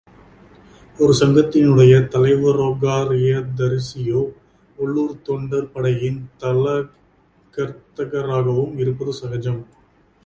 ஒரு சங்கத்தினுடைய தலைவரோகாரியதரிசியோ உள்ளூர்த் தொண்டர்படையின் தளகர்த்தராகவும் இருப்பது சகஜம்.